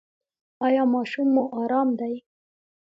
ایا ماشوم مو ارام دی؟